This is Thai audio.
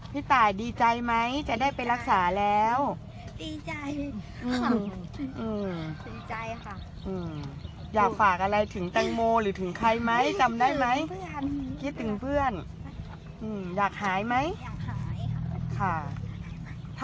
พี่ตายดีใจไหมจะได้ไปรักษาแล้วดีใจค่ะอยากฝากอะไรถึงแตงโมหรือถึงใครไหมจำได้ไหมคิดถึงเพื่อนอยากหายไหมอยากหายค่ะ